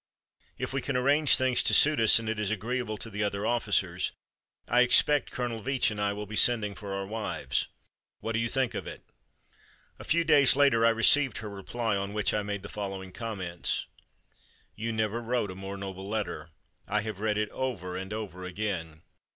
If we can arrange things to suit us and it is agreeable to the other officers, I expect Colonel Veatch and I will be sending for our wives. What think you of it?" A few days later I received her reply on which I made the following comments: "You never wrote a more noble letter. I have read it over and over again.